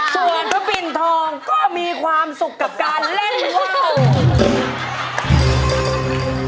ส่วนพระปิณฑร์ธรรมก็มีความสุขกับการเล่นเว้า